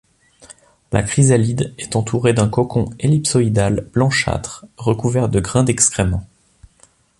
La chrysalide est entourée d'un cocon ellipsoïdal blanchâtre recouvert de grains d'excréments.